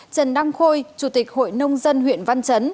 trần đăng khôi chủ tịch hội nông dân huyện văn chấn